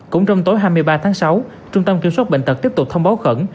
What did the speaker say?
cũng trong tối hai mươi ba tháng sáu trung tâm kiểm soát bệnh tật tiếp tục thông báo khẩn